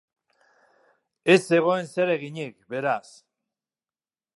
Ez zegoen zer eginik, beraz.